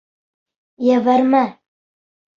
Ебәрмә!